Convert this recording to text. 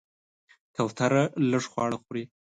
کوتره لږ خواړه خوري.